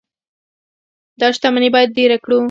دا شتمني باید ډیره کړو.